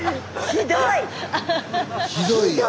ひどいよ！